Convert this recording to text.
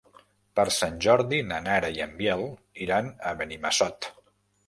Per Sant Jordi na Nara i en Biel iran a Benimassot.